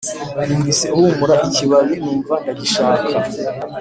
numvise ahumura ikibabi numva ndagishaka